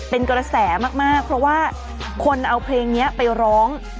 เป็นกระแสมากเพราะว่าคนเอาเพลงนี้ไปร้อง